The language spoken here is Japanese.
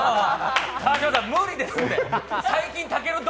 川島さん、無理ですって。